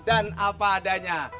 dan apa adanya